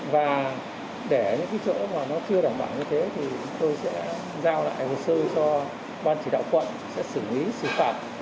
và để những chỗ mà nó chưa đảm bảo như thế thì tôi sẽ giao lại một sư cho ban chỉ đạo quận sẽ xử lý xử phạt